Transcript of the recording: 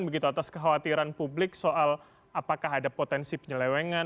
begitu atas kekhawatiran publik soal apakah ada potensi penyelewengan